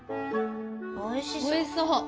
おいしそう！